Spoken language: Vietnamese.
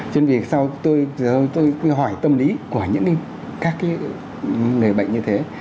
cho nên vì sao tôi hỏi tâm lý của những người bệnh như thế